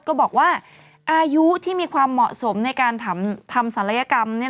ก็บอกว่าอายุที่มีความเหมาะสมในการทำศัลยกรรม